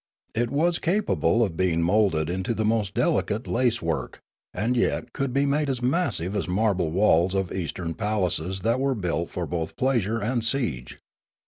It was capable of being moulded into the most delicate lace work, aud yet could be made as massive as marble walls of Eastern palaces that were built for both pleasure and siege.